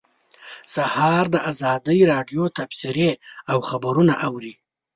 سهار د ازادۍ راډیو تبصرې او خبرونه اوري.